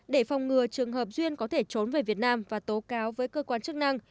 để phòng ngừa trường hợp duyên có thể trốn về việt nam và tố cáo với cơ quan chức năng